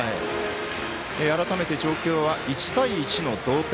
改めて状況は１対１の同点。